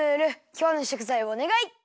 きょうのしょくざいをおねがい！